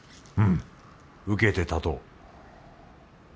うん受けて立とう。